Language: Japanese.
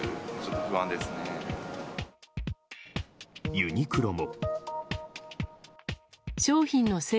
ユニクロも。